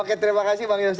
oke terima kasih bang yose